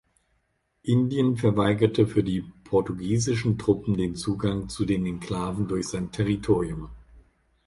Indien verweigerte für die portugiesischen Truppen den Zugang zu den Enklaven durch sein Territorium.